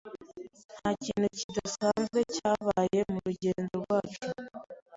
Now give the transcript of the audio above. Ntakintu kidasanzwe cyabaye murugendo rwacu.